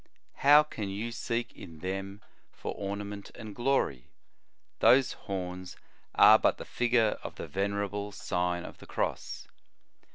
How can you seek in them for ornament and glory? Those horns are but the figure of the venerable Sign of the Cross."